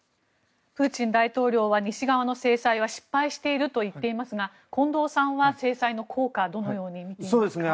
プーチン大統領は西側の制裁は失敗していると言っていますが近藤さんは制裁の効果どのように見ていますか？